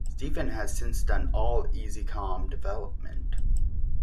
Stephen has since done all Ezycom development.